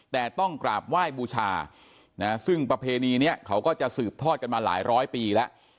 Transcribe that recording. แต่ต้องกราบไหว้บูชาซึ่งประเพณีนี้เขาก็จะสืบทอดกันมาหลายร้อยปีแล้ว